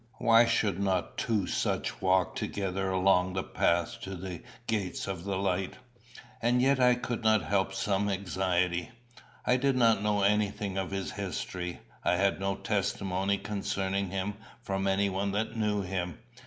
Why should not two such walk together along the path to the gates of the light? And yet I could not help some anxiety. I did not know anything of his history. I had no testimony concerning him from anyone that knew him.